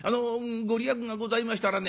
御利益がございましたらね